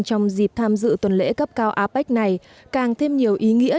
trong dịp tham dự tuần lễ cấp cao apec này càng thêm nhiều ý nghĩa